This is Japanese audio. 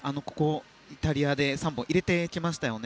イタリアで３本入れてきましたね。